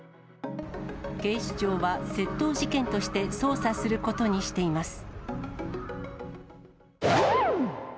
警視庁は窃盗事件として捜査することにしています。